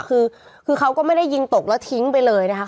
คือเขาก็ไม่ได้ยิงตกแล้วทิ้งไปเลยนะคะ